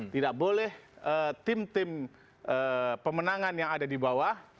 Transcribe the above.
tidak boleh tim tim pemenangan yang ada di bawah